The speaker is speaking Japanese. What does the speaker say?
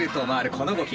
この動き。